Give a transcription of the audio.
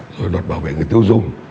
rồi luật bảo vệ người tiêu dùng